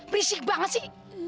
berisik banget sih